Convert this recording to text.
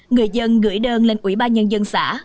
người dân gửi đơn lên ủy ban nhân dân xã